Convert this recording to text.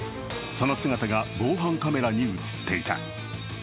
その姿が防犯カメラに映っていた。